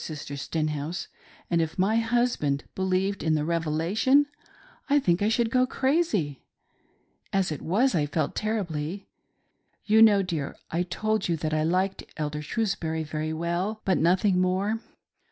Sister Stenhouse, and if my husband believed in the Revela tion, I think I should go crazy. As it was, I felt it terribly. You know, dear, I told you that I liked Elder Shrewsbury very well, but nothing more.